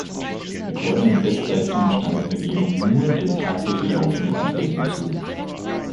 Rekorde und Bestleistungen standen dagegen nur den tatsächlich laufenden Athleten zu.